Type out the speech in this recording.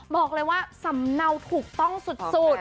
บอกเลยว่าสำเนาถูกต้องสุด